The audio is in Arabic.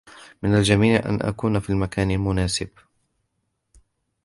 من الجميل أن أكون في المكان المناسب.